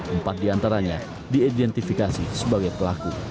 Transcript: empat diantaranya diidentifikasi sebagai pelaku